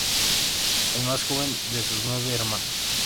Es el más joven de sus nueve hermanos.